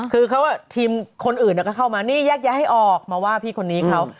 คือเขาทีมคนอื่นก็เข้ามานี่แยกย้ายให้ออกมาว่าพี่คนนี้เขา